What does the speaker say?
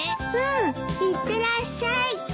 うん。いってらっしゃい。